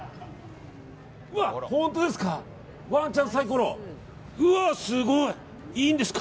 うわ、本当ですか？